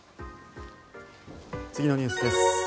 次のニュースです。